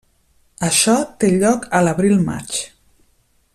Això té lloc a l'abril-maig.